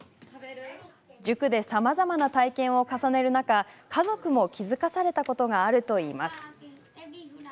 塾で、さまざまな体験を重ねる中家族も、気付かされたことがあるといいます。